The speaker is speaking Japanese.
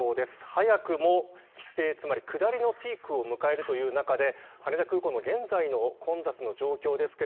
早くも帰省、つまり下りのピークを迎えるという中で羽田空港の現在の混雑の状況ですが